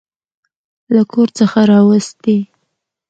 له کور څخه راوستې.